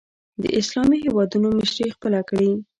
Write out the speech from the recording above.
د اسلامي هېوادونو مشري خپله کړي